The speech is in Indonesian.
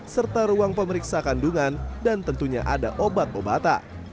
serta ruang pemeriksa kandungan dan tentunya ada obat obatan